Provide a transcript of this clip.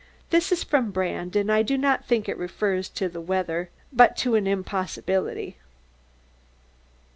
This is from Brand, and I do not think it refers to the weather, but to an impossibility.